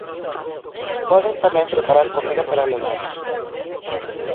Poden tamén preparar comida para levar.